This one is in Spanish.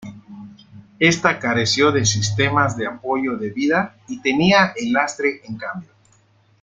Esta careció de sistemas de apoyo de vida y tenía el lastre en cambio.